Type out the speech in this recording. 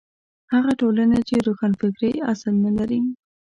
هغه ټولنې چې روښانفکرۍ اصل نه لري.